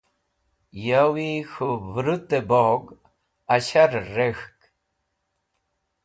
Yawi k̃hũ vẽrũtẽ bog asharẽr rek̃hk.